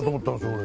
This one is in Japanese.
俺